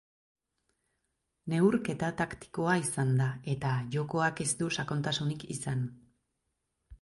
Neurketa taktikoa izan da eta jokoak ez du sakontasunik izan.